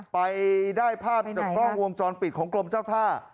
ไปได้ภาพจากกล้องวงจรปิดของกรมเจ้าท่า